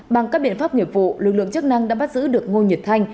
bằng các biện pháp nghiệp vụ lực lượng chức năng đã bắt giữ được ngô nhật thanh